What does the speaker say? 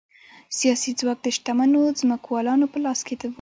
سیاسي واک د شتمنو ځمکوالو په لاس کې و.